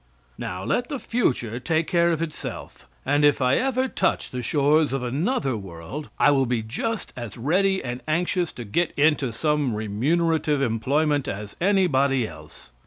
Now, let the future take care of itself and if I ever touch the shores of another world I will be just as ready and anxious to get into some remunerative employment as anybody else.